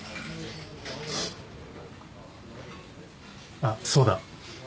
あっそうだ。